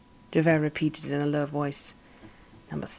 Javert repeated in a low voice:—"Number 7."